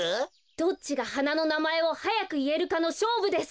どっちがはなのなまえをはやくいえるかのしょうぶです。